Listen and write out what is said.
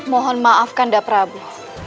mohon maafkan daprabu